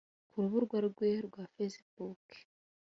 Ku rubuga rwe rwa Facebook